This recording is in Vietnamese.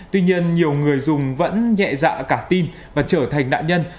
tuy nhiên nhiều người dùng vẫn nhẹ dạ cả tin và trở thành nạn nhân